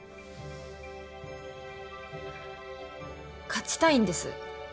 勝ちたいんです